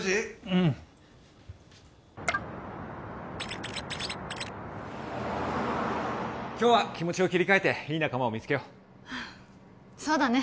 うん今日は気持ちを切り替えていい仲間を見つけようそうだね